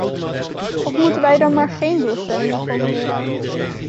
Of moeten wij dan maar geen doelstellingen formuleren?